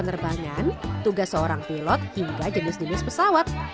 penerbangan tugas seorang pilot hingga jenis jenis pesawat